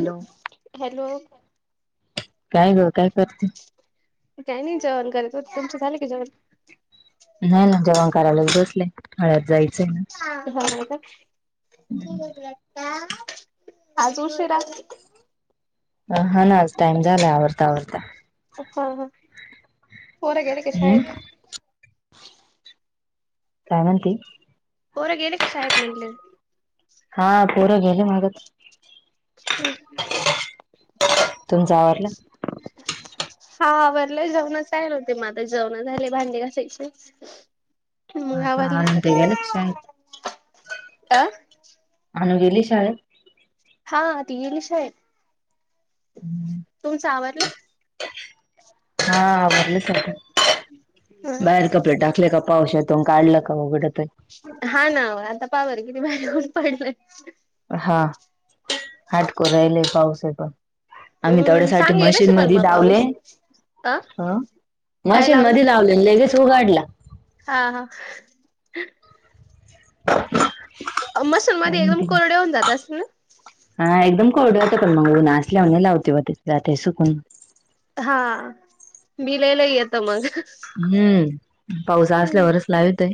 Hello hello काय ग काय करते त्यांनी जेण करत हो तुमच झालं की जेण नाही ना जेवण करायलाच बसलंय खळ्यात जायचंय ना मा ना आज उशीरा हा ना टाइम झालाय आवडता आवरता हा हा पोरं गेले का हम् शाळेत का म्हती पोरा गेले कशा आहेत म्हटले हा पुरं गेले मग हम् तुमचं आवरलं हा बरले जेवण ल होते मता जेवण झाले भांडी घासायचे मग आ का आवरलं अण ते या लक्ष अ आणण गेली शाळे हा ति ललिशाय हम्म तुमचावरला हा आवडलं सख बाहेर कपडे टाकले का पावस येतो आणि काढलं की उघडतोय. हा ना आता पाहा बर किती भारी ऊन पडलंय. हा हाडको राहिले पावस पण! आम्ही हम्म तेवढ्यासाठी सांगेलच मशीन पण मध्ये मग लावले. पाऊस अ काय मशीन लावलं मध्ये लावले ललेगेच उघाडला. हा! [inaudible] मशन काय मध्ये एकदम म्हणते कोरड होऊन जात असतील ना? हा एकदम कोरड होत मग नाचल्यावणी लावते म सुकून. हा बिल लय येत मग? हम्म! पावस असल्यावरच लावत आहे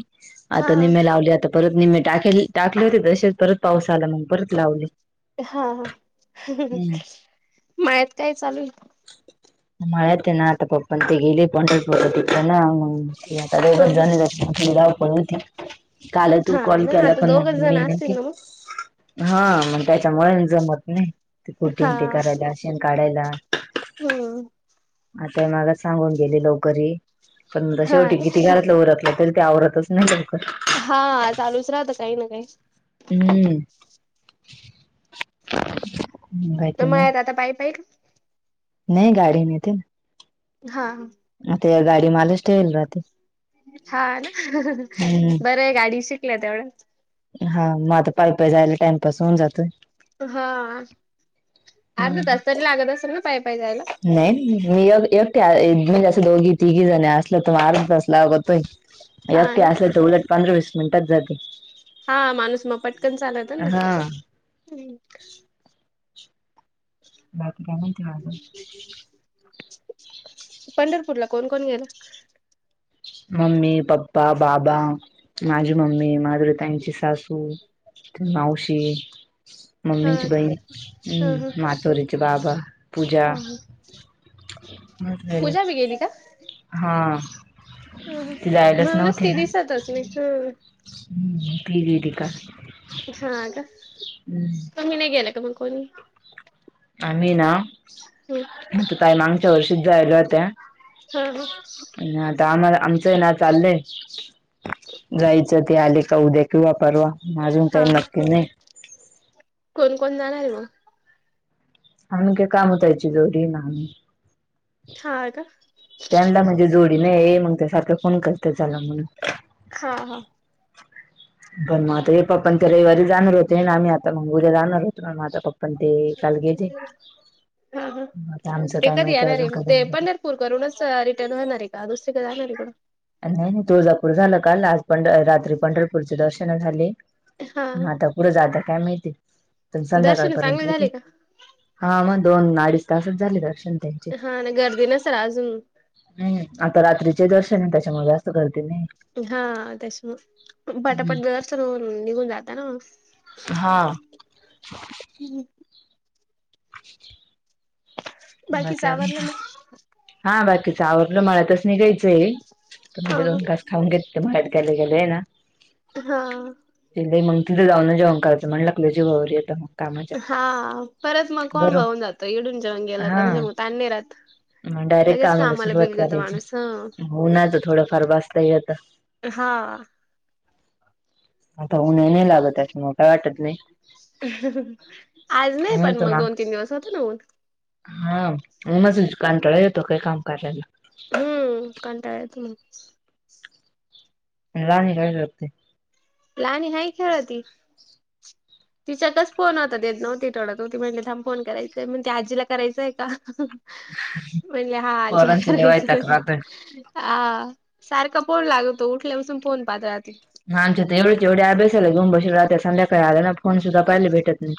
हा आता नाही लावले आता. परत निम्मे टाके टाकले होते तसेच परत पाऊस आला मग परत लावले. हा हा! हम्म. मळ्यात काय चालू आहे? म ते ना आता पप्पा न ते गेलेत पंढरपूरला आता दोघच जाण, आहे? त्याची लय धावपळ पण होती. काल तू हा कॉल ना केला आता पण दोघच जण मीन असतील ना मग? हा मग त्याच्यामुळे जमत नाही कुटी हा न ते करायला ते शेण काढायला. हम्! आता मगाशी सांगून गेली लवकर ये, पण हा शेवटी किती ना घलातलं उरकलं तरी ते आवरतच नाही लवकर. हा चालूच राहत काही ना काही. हम्! मळ्यात आता पायी पायी का? नाही गाडी नेते ना. हा! आता हे गाडी मलाच ठेवले राहते. छान! हम्म बरं आहे गाडी शिकल्या तेवढंच. हा मग आता पाय पाय जायला टाइमपास होऊन जातोय. हा अर्धा हम्म तास तरी लागत असेल ना पाय पाय जायला? नाही मी एकटे म्हणजे असं दोघी तिघी जण असलं तर म आर्ध तासला अगतोय. हा एकटी ना असले तर उलट पंधरा वीस मिनिटात जाते. हा माणूस म पटकन चालातो ना! हा बाकी म्हणती अजून? पंढरपूरला कोण कोण गेल? मम्मी, पप्पा, बाबा माझी मम्मी, माधुरीताईची सासू मावशी हा मम्मीची का बहीण हा हम् मातोरीचे बाबा पूजा पूजा बी गेली का? हा! ती जायलाच म्हणूनच ती दिसतच नाही ह! हम्म हा का! हम्म! तुम्ही नाय गेला का कोणी आम्ही ना ह आता कामागच्या वर्षी जायला होत्या. हा हा पण आता आम्हाला आमचं ना चाललंय. जायचं ते आले का उद्या किंवा परवा म आजून हा काही हा नक्की नाही. कोण कोण जाणार आहे मग? आम्ही काय कामुताई ची जोडी आम्ही हा का त्यांना म्हणजे जोडी बी नाही मग त्या सारखं फोन करतीये चला म्हणून. हा हा! पण मझ हे पप् पण त्या रविवारी जाणार होते ना आम्ही आता मंगुर जाणार होतोण माझा पप्पा पण ते काल घेेत हा हा आता आमचं काय माहिती आहे अजून कध पूर करूनच रिटर्न होणार आहे का दुसरी का जाणार आहे कोड नाही नाही तुळजापूर झालं काल आज पंढ रात्री पंढरपूरचे दर्शन झाले ह हा आता पुरे जाात काय माळते प दर्शन संध्याकाळपर्यंत चांगले झाले येते का हा मग दोन अडीच तासच झाले दक्षण ते हा ना गर्दी न सर अजून हम् आता रात्रीचे दर्शन आहे त्याच्यामुळे अस करतेने हा त्यास म पटापट हम्म जरच ना निघून जाता ना हा हम्म [unintelligible] बाकीच बाकी आवरलं मग हा बाकीच आवडलं मलातच निघायच हा म्हणजे दोन कास खाऊन घेत बाहेत गेले गेले ना हा त मग तिथं जाऊं जेंण कयचं म्हण लागलं जीवरलीता मग कामाच्या हा परत मग कोण गरम बऊून जातो इडून जेवण गेला का हा म्हणजे मग ताणे राहात मग डायरेक्ट कामाला सुरुवात करायची हं होनच थोडंफार बस्त होतं हा आता उनही नाही लागत त्याच्यामुळे काय वाटत नाही आज नाही पण मग दोन तीन दिवस होत नान हा म माझ कांटाळा येतो काही काम करायला हम्म कंटाळेत लाहान कायगते लाणी हा खेळ त तिच्याकच फोन होता देत नव्हती टोडत होती म्हणले थांब फोन करायचंय मग त ते आजीला करायचंय का म्हणले हा आजीला पोरांचा लय वैताग करायचं राहतोय अ सारखा फोन लागतो उठल्यापासून फोन पात्रात आमच्या तेवढेच एवढे अभ्यासला घेऊ ब राातत संध्याकाळी आल्या ना फोन सुद्धा पहिले भेटत नाही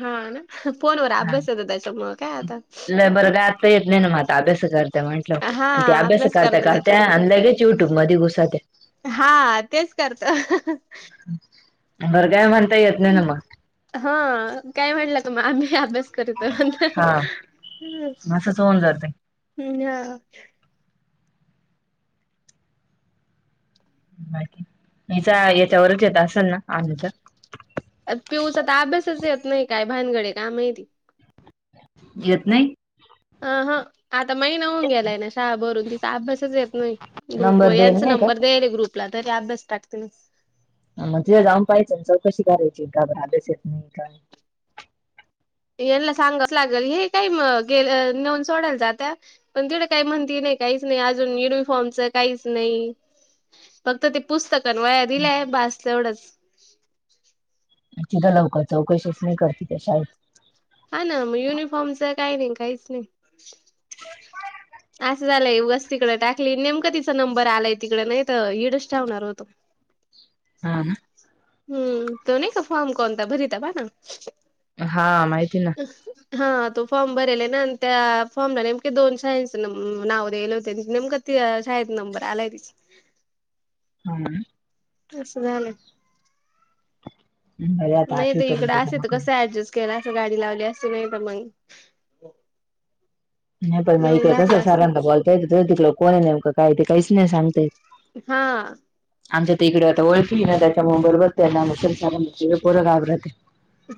हा ना फोनवर अभ्यास येतो त्याच्या म काय आता बरगात येत नाही ना मात अभ्यास करते म्हण अ हा ते अभ्यास करता करतो करते त्याच्यामुळं अंदगेच यूट्यूब मध कुसात हा तेच करत. घर कााय म्हणता येत नाही न मग. हा काय म्हटलं का मग आम्ही अभ्यास. करता हा असंच होऊन जातय म्ह् ह. बा याचा याच्यावरच येत असेल ना आजच्या. पीऊस आता अभ्यासच येत नाही काय भानगडे काय माहिती. घेत नाही. अ ह आता महिना होऊन गेलाय ना शाळा भरून तिचा अभ्यासच येत. नाही ग्रुप व नंबर देईल यांचा नाही का नंबर द्याय र ग्रुपला तरी अभ्यास टाकते मी. मग तिथे जाऊन पाहियचं चौकशी करायची का बरा अभ्यास येत नाही काय. यांना सांगाच लागेल हे काही गे नेऊन सोडायला जात्या. पण तवढं काही म्हणती नाही काहीच नाही अजून युनिफॉर्मच काहीच नाही. फक्त ते पुस्तक आणि वया दिले भास एवढंच. तिथं लवकर चौकशीच नाही कर त त्या शाळेत. हा ना मग युनिफॉर्मच काही नाही काहीच नाही अस. झालंयगस तिकडे टाकली नेमकां तिचा नंबर आलाय तिकडे नाही तर हीडच ठेवणार होतो. [unintelligible] हा ना. हम्म तो नाही का फॉर्म कोणता भरीता पहा हा माहिती ना. हा तो फॉर्म भरला आहे ना आणि त्या फॉर्मला नेमके दोन शाळेचं नाव दले होते नेमकं. ते शाळेत नंबर आलाय तिच. [unintelligible] तसं झालं. बरे आता नाही आठवी तर इकडं पर्यंत असे जमा तर करून कसं ऍडजस्ट केलं अस गाडी लावली अस नाही तर मग. नाही पण मग नेऊन इकड घातला कसं असतं सरांना बोलता येत तिककडे कोणी नेमक काय ते काहीच नाही सांगता येत. हा. आमच्या ते इकडे आता ओळखी ना त्याच्यामुळें बरबरना पोरं घाबरते.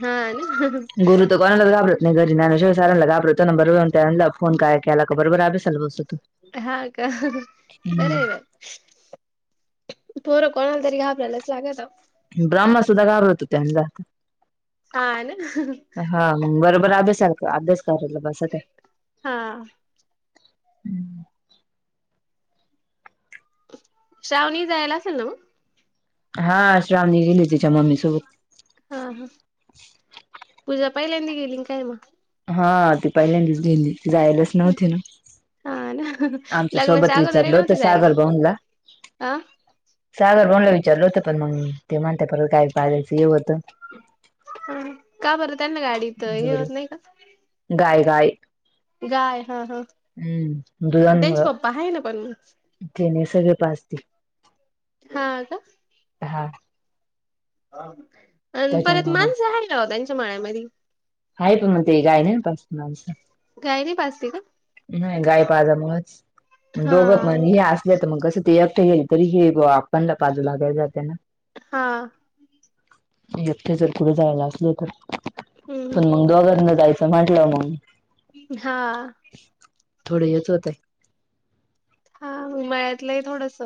हा आणि गुरु तर कोणालाच घाबरत नाही घरी ज्ञानेश्वर सरांना फोन केले की बरोबर अभ्यासाला बसतो. हा का. हम्म पोरं कोणाला तरी घाबरायलाच लागल. ब्राह्म सुद्धा घाबरत होते त्यांनला. हा ना. हा बरोबर अभ्यास अभ्यास करायला बसते. हा. श्रावणी जायला असेल ना मग. हा श्रावणी गेली तिच्या मम्मी सोबत. हा हा पूजा पाहिल्यांद गेली काय मग. हा ती पहिल्यांदीच घेली ते जायलच नव्हती ना. हा ना. आमच्या सोबत लग्नाच्या अगोदर ही विचारलं होत नव्हती जायला सागर भाऊंना का आ सागर भाऊंना विचारलं होत पण मग ते म्हणता परत काय पाच हेव होतं. ह का बरं त्यांना गाडीत हे जोडी होत नाही का. गाय गाय. गाय हा हा. हम्म त्यांचे दुधामुळे पप्पा आहे ना पण मग तेने सगळे पाजते. हा का. हा. आणि परत त्याच्यामुळे मग माणसं आहे ना त्यांच्या मळ्यामधी. हा पण मग ते गाय नाही पास मासं गाय नाही पाजते का? नाही गाय पाजामुळेच दोघं पण हा हे आस मग कसं ते एकटं येईल तरी हे आपणला बाजू लागायला जाते ना. हा. एकथे जर पुुढे जायला असले तर हम्म. मग दोघर न जायचं म्हंटलं मग. हा. थोडं हेच होत. हा मळ्यात लय थोडस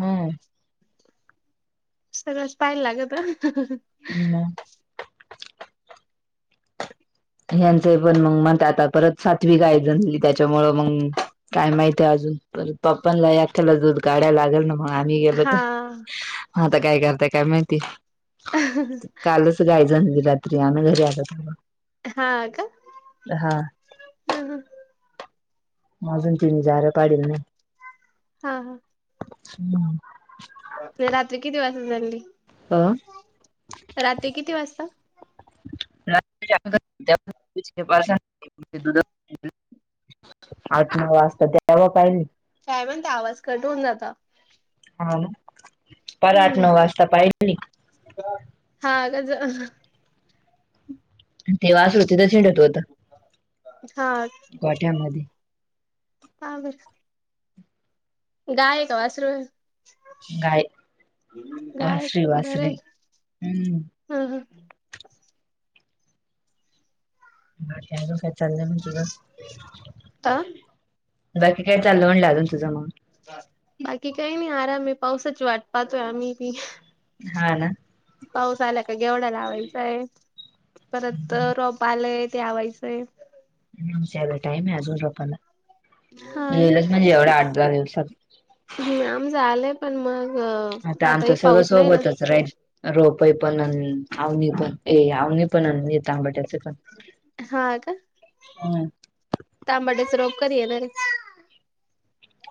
हा. सगळंच पाहायला लागत. हम्म. यांचे पण मग म आता परत सात्विक आयजण झाली त्याच्यामुळं मग काय माहितीय अजून प पप्पांला याख्याला दोध गाड्या लागेल ना मग. आ गेलो हा तर आता काय करताय काय माहिती कालच गायचली रात्री आम्ही घरी आलं. हा का. हा. हम् हम अजून तुम्ही जा र पाडल नाही. हा हा [inaudible] रात्री किती वाजता झाली. हं किती वाजता रात्री अकरा वाजताच्या होत्या बाजारात. आठ नऊ वाजता द्याव पाहिले. काय म्हण ते आवाज कटवून जाता. हा परराठ हम्म नऊ वाजता पाहिजे. हा ज ते वासरू तिथेच हिंडत होतो. हा गोठ्यामध्ये. बा बर. गाय का वासरू. गाय गाय वासरी रे वासरी हम्म हा. ह त्या काय चाललंय म्हण तुझ. आ बाकी काय चालवणलं अजुन नतुझ मग. बाकी काय नाही आराम पाऊसच वाट पातोय आमही पी.. हा ना. पाऊस आला का गेवळ्याला आवायचाय परत रोप आलाय तेलावायचंय टाम आहे अजून रोपला हा येेलच म्हणजे एवढा आठ दहा दिवसात.. ह आम झालंय पण मग.. आता आमचं आताही सगळं पाऊस नाही ना सोबतच राहील. रोपई पण आवनी पण ए आवनी पण येत आंबाट्याचे पण. हा का. हम्. तांबड्याच रोप कधी येणार रे.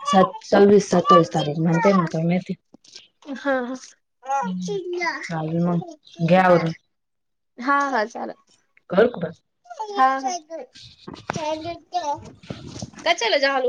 स चोवीस सत्तावीस तारीख मण ते म का मती.. हा. चालेल मग घे आवरून हा हा चाल काय कुठ [unintelligible]